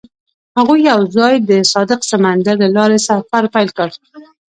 هغوی یوځای د صادق سمندر له لارې سفر پیل کړ.